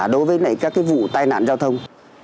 đối với các cái vụ tai nạn giao thông